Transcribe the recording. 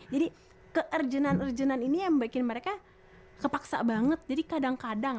jadi ke ergenan ergenan ini yang bikin mereka kepaksa banget jadi kadang kadang